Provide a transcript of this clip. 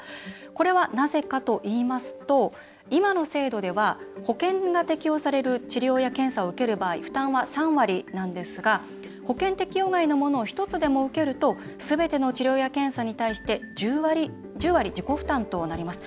これは、なぜかといいますと今の制度では保険が適用される治療や検査を受ける場合負担は３割なんですが保険適用外のものを１つでも受けるとすべての治療や検査に対して１０割自己負担となります。